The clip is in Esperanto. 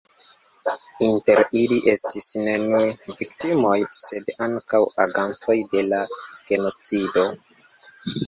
Inter ili estis ne nur viktimoj, sed ankaŭ agantoj de la genocido.